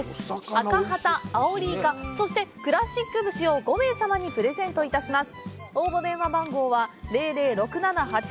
アカハタ、アオリイカ、そしてクラシック節を５名様にプレゼントいたします。